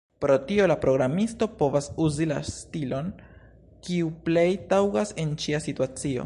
Pro tio, la programisto povas uzi la stilon, kiu plej taŭgas en ĉia situacio.